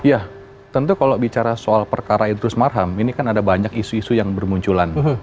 ya tentu kalau bicara soal perkara idrus marham ini kan ada banyak isu isu yang bermunculan